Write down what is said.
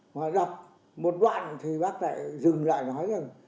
một đoạn thì bác lại dừng lại nói